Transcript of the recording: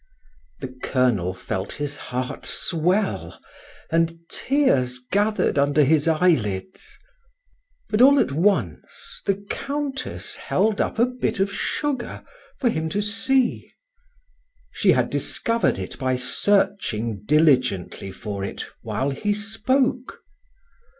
The colonel felt his heart swell, and tears gathered under his eyelids. But all at once the Countess held up a bit of sugar for him to see; she had discovered it by searching diligently for it while he spoke.